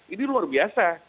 ini luar biasa